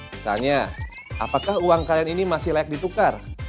misalnya apakah uang kalian ini masih layak ditukar